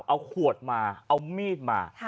เอาขวดมาเอามีดมา